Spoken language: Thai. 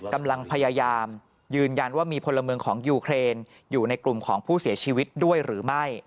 กำลังพยายามยืนยันว่ามีพลเมืองของยูเครนอยู่ในกลุ่มของผู้เสียชีวิตด้วยหรือไม่